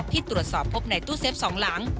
ที่ตรวจสอบพบในตู้เซฟ๒หลัง